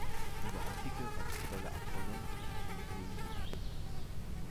In der Antike war die Quelle Apollon und den Musen geweiht.